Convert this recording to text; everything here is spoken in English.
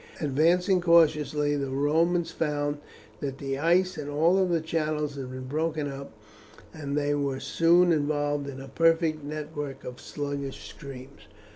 Advancing cautiously the Romans found that the ice in all the channels had been broken up, and they were soon involved in a perfect network of sluggish streams.